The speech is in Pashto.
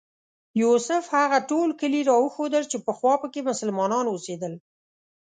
یوسف هغه ټول کلي راوښودل چې پخوا په کې مسلمانان اوسېدل.